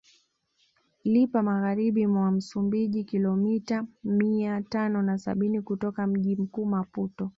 Lipo Magharibi mwa Msumbiji kilomita mia tano na sabini kutokea mji mkuu Maputo